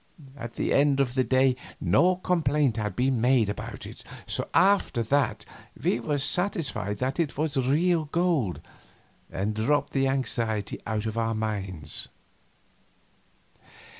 At the end of the day no complaint had been made about it, so after that we were satisfied that it was real gold, and dropped the anxiety out of our minds.